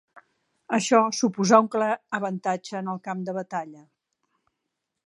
Això suposà un clar avantatge en el camp de batalla.